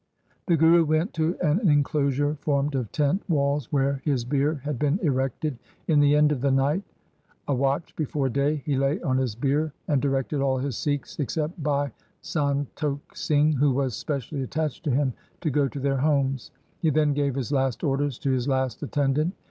The Guru went to an enclosure formed of tent walls where his bier had been erected. In the end of the night — a watch before day — he lay on his bier, and directed all his Sikhs except Bhai San tokh Singh, 1 who was specially attached to him, to go to their homes. He then gave his last orders to his last attendant.